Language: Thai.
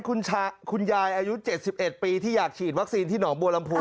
คุณยายอายุ๗๑ปีที่อยากฉีดวัคซีนที่หนองบัวลำพู